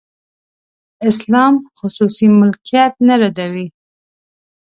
اسلام خصوصي ملکیت نه ردوي.